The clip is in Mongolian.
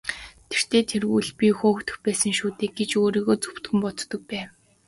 Тэртэй тэргүй л би хөөгдөх байсан шүү дээ гэж өөрийгөө зөвтгөн боддог байв.